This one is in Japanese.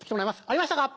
ありましたか？